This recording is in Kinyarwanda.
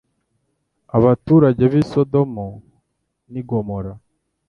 abaturage b’i Sodomu na Gomora.